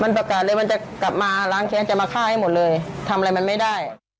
มันประกาศเลยมันจะกลับมาล้างแค้นจะมาฆ่าให้หมดเลยทำอะไรมันไม่ได้